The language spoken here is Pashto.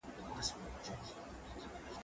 دا اوبه له هغو تازه دي!!